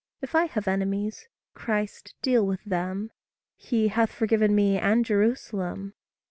If I have enemies, Christ deal with them: He hath forgiven me and Jerusalem.